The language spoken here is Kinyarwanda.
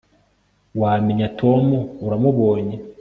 Wamenya Tom uramubonye